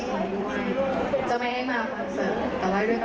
มันตามใคร